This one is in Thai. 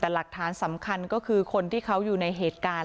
แต่หลักฐานสำคัญก็คือคนที่เขาอยู่ในเหตุการณ์